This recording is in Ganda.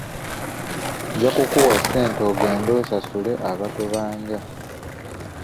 Nja kukuwa ssente ogende osasule abatubanja.